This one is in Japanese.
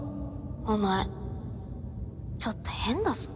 お前ちょっと変だぞ。